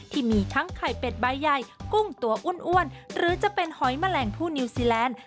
ที่มีทั้งไข่เป็ดใบใหญ่กุ้งตัวอ้วนหรือจะเป็นหอยแมลงผู้นิวซีแลนด์